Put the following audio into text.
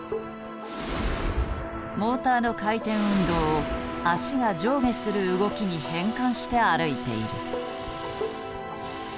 モーターの回転運動を脚が上下する動きに変換して歩いている。